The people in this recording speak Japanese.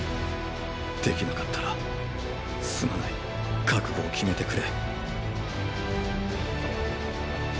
できなかったらすまない覚悟を決めてくれ。